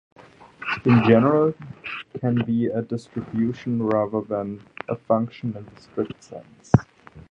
In general, can be a distribution, rather than a function in the strict sense.